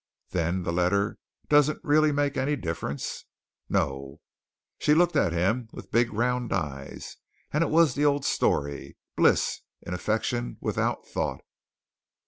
"Then the letter doesn't really make any difference?" "No." She looked at him with big round eyes, and it was the old story, bliss in affection without thought.